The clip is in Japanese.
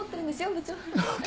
部長。